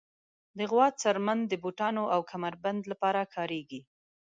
د غوا څرمن د بوټانو او کمر بند لپاره کارېږي.